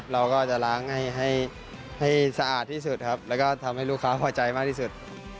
เราก็จะล้างให้สะอาดที่สุดครับแล้วก็ทำให้ลูกค้าพอใจมากที่สุด